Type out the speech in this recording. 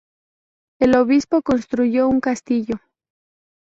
El obispo construyó un castillo.